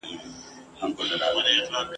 په هغه وخت کی یې علاج نه کېدی ..